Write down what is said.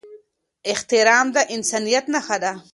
احترام د انسانيت نښه ده.